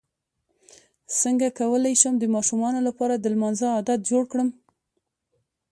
څنګه کولی شم د ماشومانو لپاره د لمانځه عادت جوړ کړم